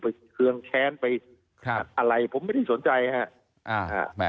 เคืองแค้นไปอะไรผมไม่ได้สนใจครับ